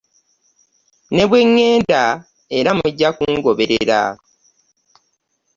Ne bwe ŋŋenda era mujja kungoberera.